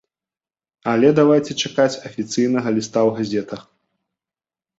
Але давайце чакаць афіцыйнага ліста ў газетах.